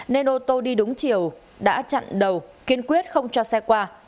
nên ô tô đi đúng chiều đã chặn đầu kiên quyết không cho xe qua